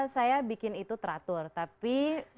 saya bikin itu teratur tapi